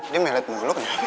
dia melet muluk